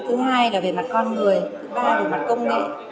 thứ hai là về mặt con người thứ ba về mặt công nghệ